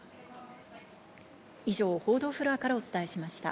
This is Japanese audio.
以上、報道フロアからお伝えしました。